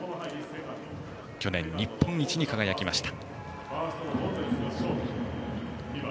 去年、日本一に輝きました。